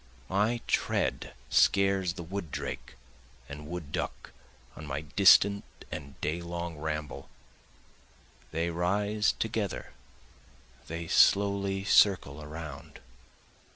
My tread scares the wood drake and wood duck on my distant and day long ramble, They rise together, they slowly circle around.